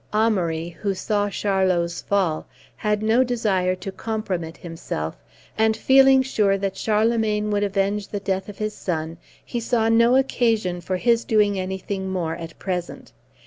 Amaury, who saw Charlot's fall, had no desire to compromit himself; and, feeling sure that Charlemagne would avenge the death of his son, he saw no occasion for his doing anything more at present.